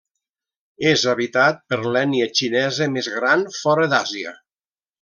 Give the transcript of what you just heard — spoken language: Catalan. És habitat per l'ètnia xinesa més gran fora d’Àsia.